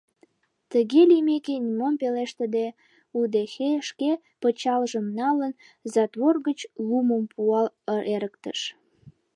Тыге лиймеке, нимом пелештыде, удэхей, шке пычалжым налын, затвор гыч лумым пуал эрыктыш.